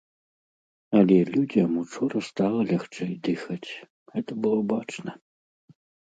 Але людзям учора стала лягчэй дыхаць, гэта было бачна.